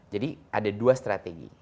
jadi ada dua strategi